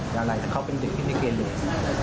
อย่าไรเขาเป็นเด็กที่ไม่เกรลียด